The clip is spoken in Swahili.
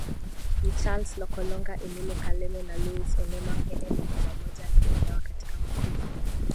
ni Charles Lokolonga Émile Kalema na Louis Onema Pene LumumbamojaAlilelewa katika makuzi